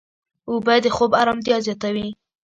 اوبه د خوب ارامتیا زیاتوي.